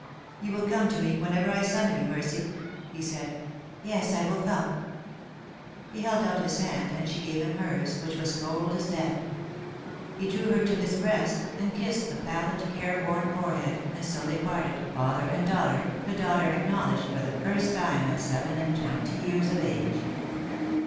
"You will come to me whenever I summon you, Mercy?" he said. "Yes, I will come." He held out his hand, and she gave him hers, which was cold as death. He drew her to his breast, and kissed the pallid, care worn forehead, and so drey parted, father and daughter, the daughter acknowledged for the first time at seven and twenty years of age.